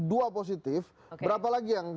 dua positif berapa lagi yang